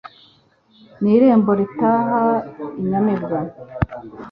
N' irembo ritaha inyamibwa